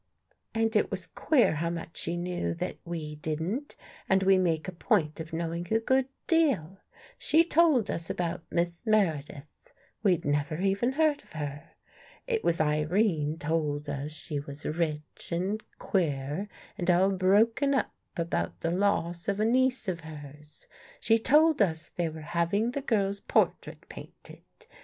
And it was queer how much she knew that we didn't, and we make a point of knowing a good deal. She told us about Miss Meredith. We'd never even heard of her. It was Irene told us she was rich and queer and all broken up about the loss of a niece of hers. She told us they were having the girl's portrait painted.